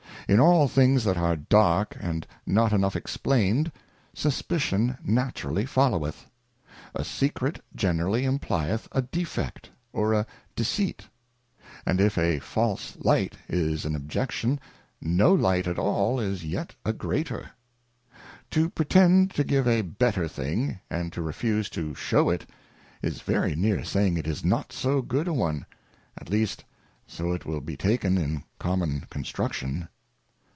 In all things that are dark and not enough explained, suspicion naturally followeth : A secret generally im plieth a defect or a deceit ; and if a false light is an objection, no light at all is yet a greater. To pretend to give a better thing, and to refuse to shew it, is very near saying it is not so good a one ; at least so it will be taken in common construction.